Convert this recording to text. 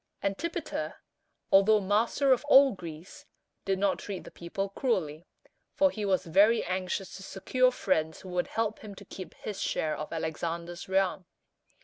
Antipater, although master of all Greece, did not treat the people cruelly, for he was very anxious to secure friends who would help him to keep his share of Alexander's realm.